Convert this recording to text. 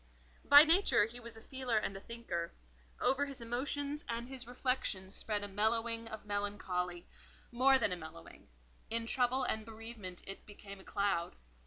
By nature he was a feeler and a thinker; over his emotions and his reflections spread a mellowing of melancholy; more than a mellowing: in trouble and bereavement it became a cloud.